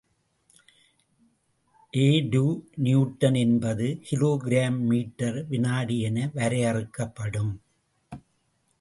எ டு நியூட்டன் என்பது kilogram metre வினாடி என வரையறுக்கப்படும்.